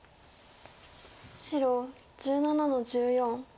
白１７の十四。